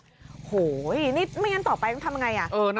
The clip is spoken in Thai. อืมโหนี่ไม่งั้นต่อไปทำยังไงอ่ะ